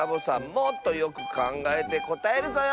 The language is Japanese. もっとよくかんがえてこたえるぞよ。